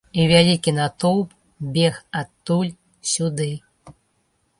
І вялікі натоўп бег адтуль сюды.